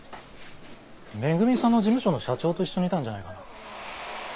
恵さんの事務所の社長と一緒にいたんじゃないかな。